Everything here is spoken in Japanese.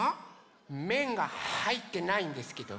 めんがはいってないんですけど。